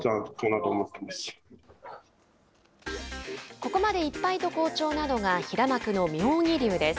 ここまで１敗と好調なのが平幕の妙義龍です。